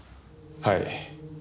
はい。